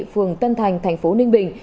phường tân thành thành phố ninh bình